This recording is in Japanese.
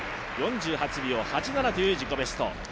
４８秒８７という自己ベスト。